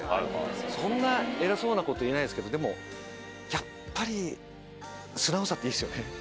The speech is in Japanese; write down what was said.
そんな偉そうなこと言えないですけどでもやっぱり。っていいっすよね。